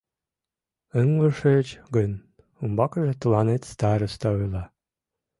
Ыҥлышыч гын, умбакыже тыланет староста ойла...